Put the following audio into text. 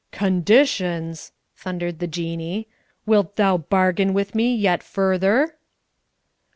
"Conditions!" thundered the Jinnee. "Wilt thou bargain with me yet further?"